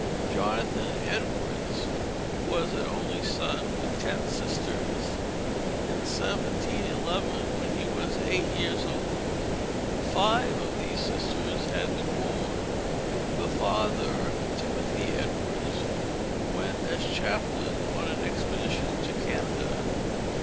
Jonathan Edwards was an only son with ten sisters. In 1711, when he was eight years old, five of these sisters had been born. The father, Timothy Edwards, went as chaplain on an expedition to Canada.